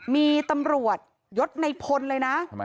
มีตำรวจยศในพลเลยนะ